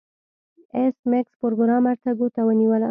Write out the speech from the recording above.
ایس میکس پروګرامر ته ګوته ونیوله